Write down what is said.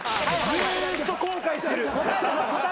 ずっと後悔してる。